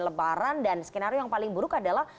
lebaran dan skenario yang paling buruk adalah